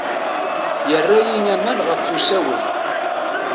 Yerra-iyi aman ɣef usawen.